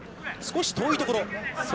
少し遠いところ。